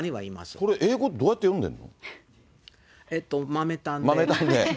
これ、英語、どうやって読んでんの？